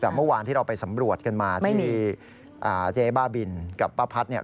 แต่เมื่อวานที่เราไปสำรวจกันมาที่เจ๊บ้าบินกับป้าพัดเนี่ย